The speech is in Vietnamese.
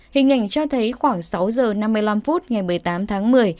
hình ảnh cho thấy khoảng sáu giờ năm mươi năm phút ngày một mươi tám tháng một mươi